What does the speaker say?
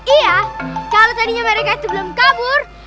iya kalau tadinya mereka itu belum kabur